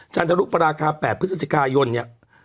จันทรุปราคา๘พฤศจิกายนเนี่ย